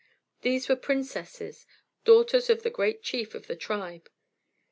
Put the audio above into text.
These were princesses, daughters of the great chief of the tribe.